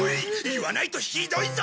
言わないとひどいぞ？